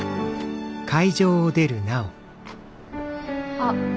あっ。